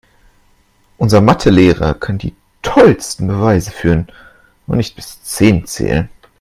Unser Mathe-Lehrer kann die tollsten Beweise führen, aber nicht bis zehn zählen.